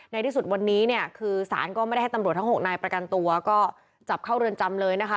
ในที่สุดวันนี้เนี่ยคือสารก็ไม่ได้ให้ตำรวจทั้ง๖นายประกันตัวก็จับเข้าเรือนจำเลยนะคะ